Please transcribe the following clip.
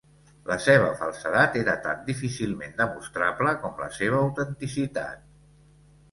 La seva falsedat era tan difícilment demostrable com la seva autenticitat.